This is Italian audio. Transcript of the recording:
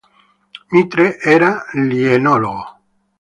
Mitre era lì enologo.